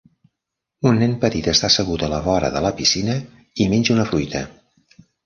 Un nen petit està assegut a la vora de la piscina i menja una fruita.